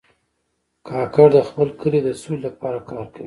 کاکړ د خپل کلي د سولې لپاره کار کوي.